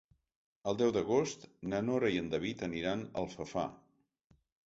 El deu d'agost na Nora i en David aniran a Alfafar.